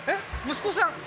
息子さん？